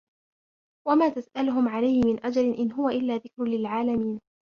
وما تسألهم عليه من أجر إن هو إلا ذكر للعالمين